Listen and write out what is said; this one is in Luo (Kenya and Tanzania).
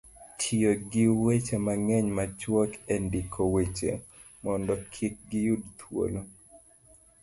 tiyo gi weche mang'eny machuok e ndiko weche mondo kik giyud thuolo